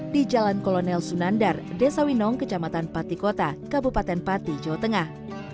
di jalan kolonel sunandar desa winong kecamatan patikota kabupaten pati jawa tengah